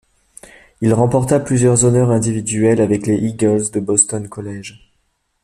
Il remporta plusieurs honneurs individuels avec les Eagles de Boston College.